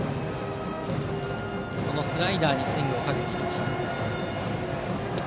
そのスライダーにスイングをかけていました。